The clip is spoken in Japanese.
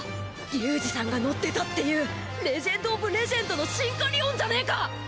リュウジさんが乗ってたっていうレジェンドオブレジェンドのシンカリオンじゃねえか！